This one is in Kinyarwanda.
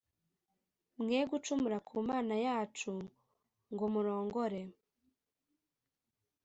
mwe gucumura ku Mana yacu nko murongore